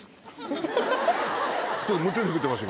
夢中で食ってました